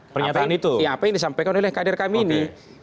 pernyataan itu apa yang disampaikan oleh kadir kami ini